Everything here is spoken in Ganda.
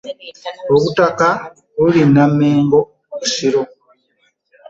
Obutaka buli Nnamengo Busiro.